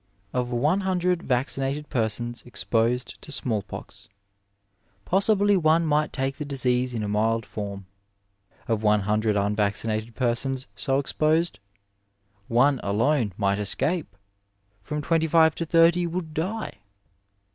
Of one hundred vaccinated persons exposed to small pox, possibly one might take the disease in a mild form ; of one hundred unvaccinated persons so exposed, one alone might escape — ^from twenty five to thirty would die.